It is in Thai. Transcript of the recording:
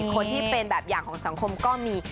คนที่เป็นแบบอย่างของสังคมก็มี